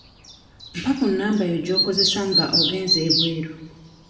Mpa ku namba yo gy'okozesa nga ogenze ebweru.